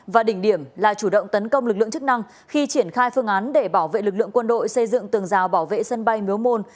và đỉnh điểm là chủ động tấn công lực lượng chức năng khi triển khai phương án để bảo vệ lực lượng quân đội xây dựng tường rào bảo vệ sân bay miếu môn